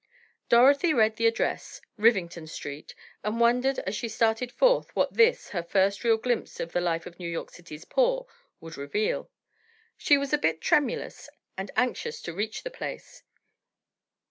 Dorothy read the address, Rivington Street, and wondered as she started forth what this, her first real glimpse into the life of New York City's poor, would reveal. She was a bit tremulous, and anxious to reach the place.